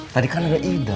tadikan agak ida